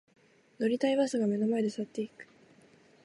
乗りたいバスが目の前で去っていく